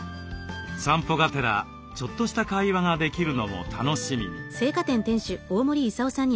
散歩がてらちょっとした会話ができるのも楽しみに。